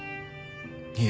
いえ。